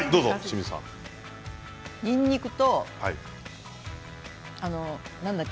にんにくと何だっけ？